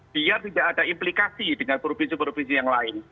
biar tidak ada implikasi dengan provinsi provinsi yang lain